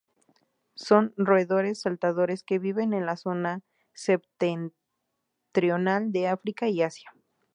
Son roedores saltadores que viven en la zona septentrional de África y Asia.